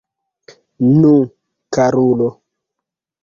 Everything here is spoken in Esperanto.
Nu, karulo!